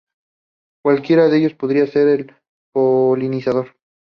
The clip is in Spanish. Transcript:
Cualquiera de ellos podría ser el polinizador.